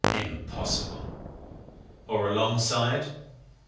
Impossible. Or alongside?